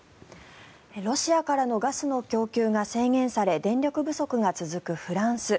ロシアからのガスの供給が制限され電力不足が続くフランス。